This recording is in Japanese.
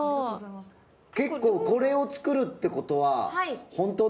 結構これを作るってことは。